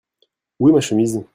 Où est ma chemise ?